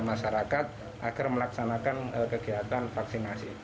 masyarakat agar melaksanakan kegiatan vaksinasi